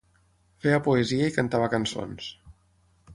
Feia poesia i cantava cançons.